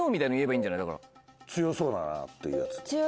強そうなっていうやつ。